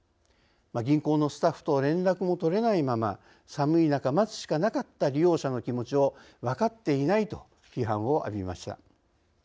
銀行のスタッフと連絡も取れないまま寒い中、待つしかなかった利用者の気持ちを分かっていないと批判を浴びました。